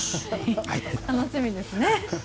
楽しみですね。